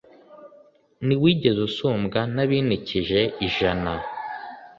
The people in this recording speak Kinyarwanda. ntiwigeze usumbwa n'abinikije ijana